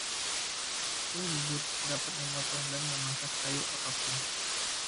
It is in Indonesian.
Mesin bubut dapat memotong dan memangkas kayu apa pun.